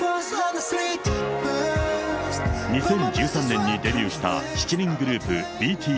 ２０１３年にデビューした７人グループ、ＢＴＳ。